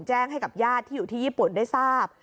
แจ้งให้กับญาติที่อยู่ที่ญี่ปุ่นได้ทราบ